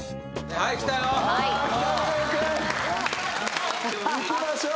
はいいきましょう！